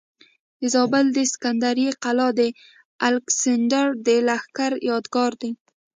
د زابل د سکندرۍ قلا د الکسندر د لښکر یادګار دی